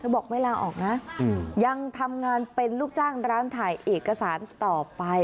บอกไม่ลาออกนะยังทำงานเป็นลูกจ้างร้านถ่ายเอกสารต่อไป